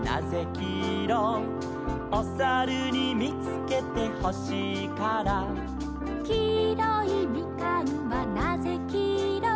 「おさるにみつけてほしいから」「きいろいミカンはなぜきいろ」